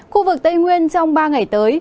khu vực tây nguyên trong ba ngày tới